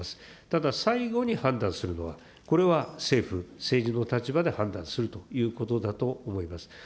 ただ、最後に判断するのは、これは政府、政治の立場で判断するということだと思います。